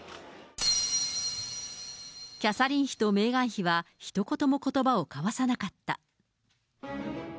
キャサリン妃とメーガン妃はひと言もことばを交わさなかった。